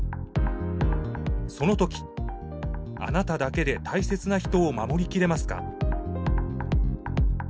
その時あなただけで大切な人を守りきれますか？